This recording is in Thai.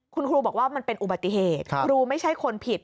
คุณครูบอกว่ามันเป็นอุบัติเหตุครูไม่ใช่คนผิด